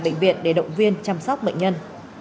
bệnh viện để động viên chăm sóc bệnh nhân